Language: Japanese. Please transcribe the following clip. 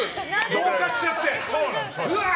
同化しちゃってうわー！